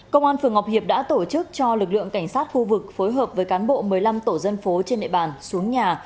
công an phường ngọc hiệp đã tổ chức cho lực lượng cảnh sát khu vực phối hợp với cán bộ một mươi năm tổ dân phố trên địa bàn xuống nhà